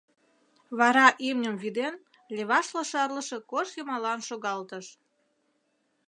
Вара имньым вӱден, левашла шарлыше кож йымалан шогалтыш.